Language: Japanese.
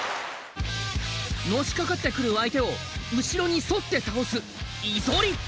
のしかかってくる相手を後ろに反って倒す居反り。